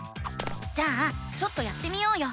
じゃあちょっとやってみようよ！